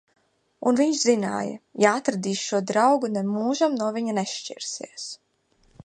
Un viņš zināja: ja atradīs šo draugu, nemūžam no viņa nešķirsies.